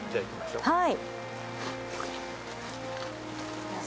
はい。